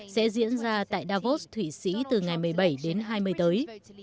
sẽ diễn ra tại davos thụy sĩ từ ngày một mươi bảy đến hai mươi tới